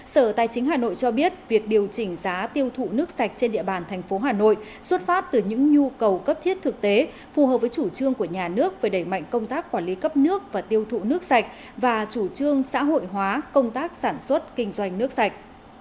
sở tài chính hà nội cho biết việc điều chỉnh giá tiêu thụ nước sạch trên địa bàn thành phố hà nội xuất phát từ những nhu cầu cấp thiết thực tế phù hợp với chủ trương của nhà nước về đẩy mạnh công tác quản lý cấp nước và tiêu thụ nước sạch và chủ trương xã hội hóa công tác sản xuất kinh doanh nước sạch